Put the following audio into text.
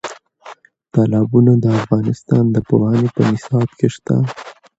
تالابونه د افغانستان د پوهنې په نصاب کې شته.